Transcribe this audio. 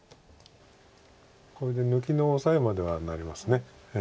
これで抜きのオサエまではなります。